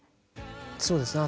そうですね。